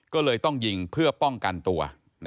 ก็เลยต้องยิงเพื่อป้องกันตัว